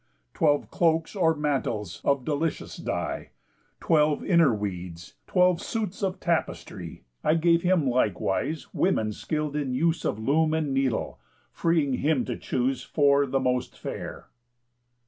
Twelve cloaks, or mantles, of delicious dye; Twelve inner weeds; twelve suits of tapestry. I gave him likewise women skill'd in use Of loom and needle, freeing him to choose Four the most fair."